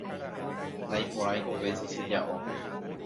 naiporãiko péicha cheja'o